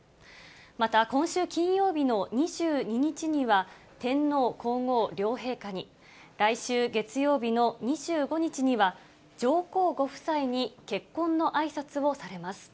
また今週金曜日の２２日には、天皇皇后両陛下に、来週月曜日の２５日には、上皇ご夫妻に、結婚のあいさつをされます。